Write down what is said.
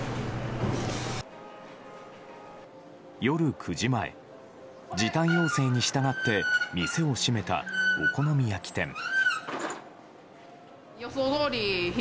夜９時前、時短要請に従って店を閉めたお好み焼き店。